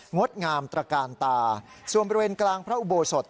งดงามตระกาลตาส่วนบริเวณกลางพระอุโบสถ